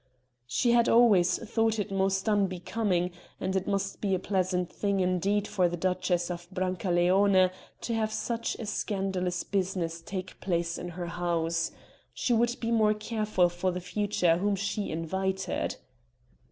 He had always thought it most unbecoming; and it must be a pleasant thing indeed for the Duchess of Brancaleone to have such a scandalous business take place in her house she would be more careful for the future whom she invited!